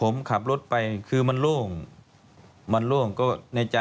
หยุดรถแล้วก็ถอยกลับมา